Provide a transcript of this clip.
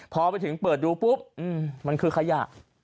พอไปถึงเปิดดูปุ๊บมันคือขยะ